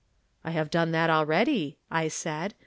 "I have done that already," I said.